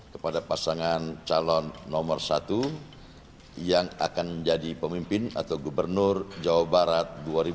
kepada pasangan calon nomor satu yang akan menjadi pemimpin atau gubernur jawa barat dua ribu delapan belas dua ribu dua puluh tiga